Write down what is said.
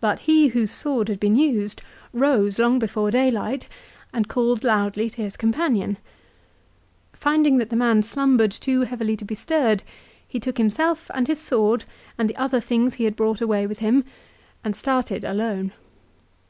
But he, whose sword had been used, rose long before daylight and called loudly to his companion. Finding that the man slumbered too heavily to be stirred, he took himself and his sword and the other things he had brought away with him and started alone.